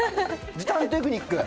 時短テクニック。